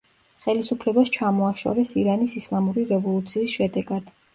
ხელისუფლებას ჩამოაშორეს ირანის ისლამური რევოლუციის შედეგად.